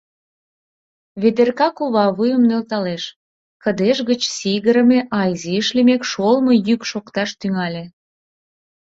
Ведерка кува вуйым нӧлталеш — кыдеж гыч сигырыме, а изиш лиймек, шолмо йӱк шокташ тӱҥале.